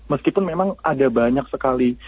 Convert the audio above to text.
meskipun memang ada banyak sekali